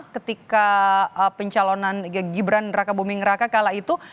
ketika pencalonan gibran raka buming raka kala itu